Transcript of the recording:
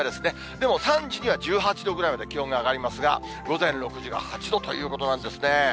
でも３時には１８度ぐらいまで気温が上がりますが、午前６時が８度ということなんですね。